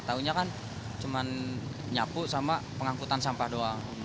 taunya kan cuman nyapu sama pengangkutan sampah doang